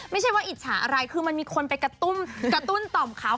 ไม่ใช่ว่าอิจฉาอะไรคือมันมีคนไปกระตุ้นกระตุ้นต่อมเขา